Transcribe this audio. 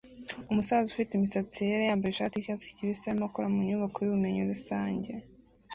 Umusaza ufite imisatsi yera yambaye ishati yicyatsi kibisi arimo akora mu nyubako yubumenyi rusange